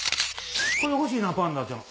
これ欲しいなパンダちゃん。